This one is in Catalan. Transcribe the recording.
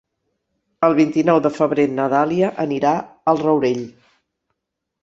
El vint-i-nou de febrer na Dàlia anirà al Rourell.